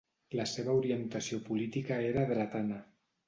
La seva orientació política era dretana.